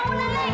neng bangun neng